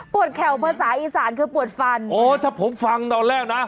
แข่วภาษาอีสานคือปวดฟันโอ้ถ้าผมฟังตอนแรกนะ